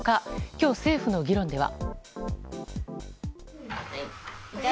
今日、政府の議論では。